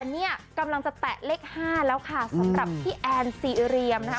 อันนี้กำลังจะแตะเลข๕แล้วค่ะสำหรับพี่แอนซีเรียมนะคะ